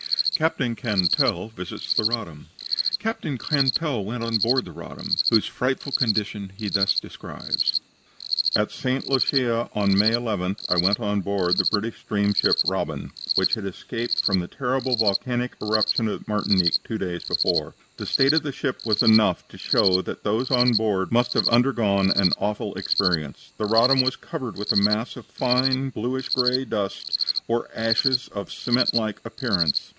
CAPTAIN CANTELL VISITS THE "RODDAM" Captain Cantell went on board the Roddam, whose frightful condition he thus describes: "At St. Lucia, on May 11th, I went on board the British steamship Roddam, which had escaped from the terrible volcanic eruption at Martinique two days before. The state of the ship was enough to show that those on board must have undergone an awful experience. "The Roddam was covered with a mass of fine bluish gray dust or ashes of cement like appearance.